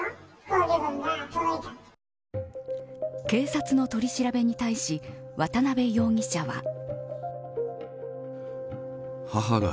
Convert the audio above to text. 警察の取り調べに対し渡辺容疑者は。